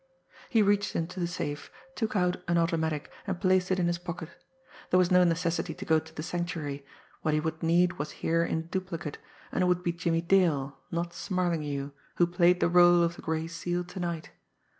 He reached into the safe, took out an automatic, and placed it in his pocket. There was no necessity to go to the Sanctuary what he would need was here in duplicate, and it would be Jimmie Dale, not Smarlinghue, who played the rôle of the Gray Seal to night.